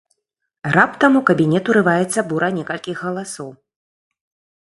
Раптам у кабінет урываецца бура некалькіх галасоў.